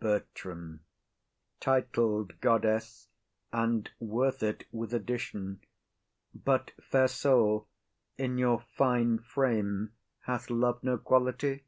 BERTRAM. Titled goddess; And worth it, with addition! But, fair soul, In your fine frame hath love no quality?